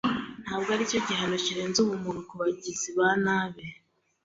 Ntabwo aricyo gihano kirenze ubumuntu kubagizi ba nabi?